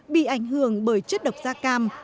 bị ảnh hưởng bởi chất độc da cam